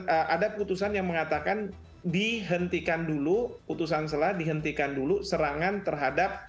ada putusan yang mengatakan dihentikan dulu putusan selah dihentikan dulu serangan terhadap